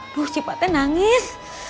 aduh syifa nangis